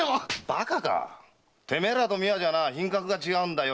バカか⁉てめえらとお美和じゃ品格が違うんだよ！